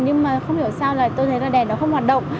nhưng mà không hiểu sao là tôi thấy là đèn nó không hoạt động